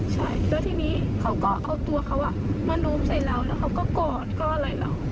ใช่แล้วทีนี้เขาก็เอาตัวเขามาโน้มใส่เราแล้วเขาก็กอดก็อะไรเรา